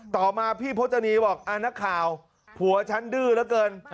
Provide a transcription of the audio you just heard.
ต่อมาพี่พจนีบอกนักข่าวผัวฉันดื้อเหลือเกิน